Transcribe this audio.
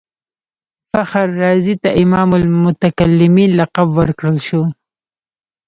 فخر رازي ته امام المتکلمین لقب ورکړل شو.